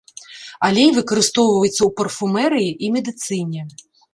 Алей выкарыстоўваецца ў парфумерыі і медыцыне.